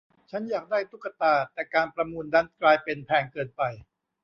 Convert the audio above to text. ฉันอยากได้ตุ๊กตา แต่การประมูลนั้นกลายเป็นแพงเกินไป